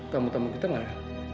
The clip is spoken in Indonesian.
kamu tamu kita gak